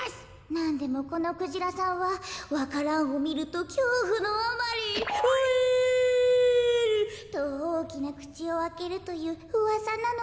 なんでもこのクジラさんはわか蘭をみるときょうふのあまりホエールとおおきなくちをあけるといううわさなのでございます。